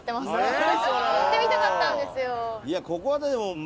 いやここはでも。